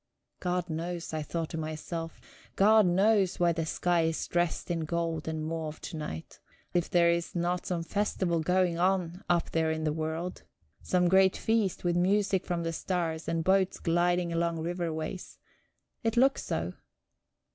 God knows, I thought to myself, God knows why the sky is dressed in gold and mauve to night, if there is not some festival going on up there in the world, some great feast with music from the stars, and boats gliding along river ways. It looks so!